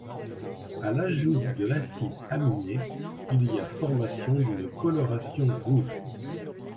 A l’ajout de l’acide aminé, il y a formation d’une coloration rouge.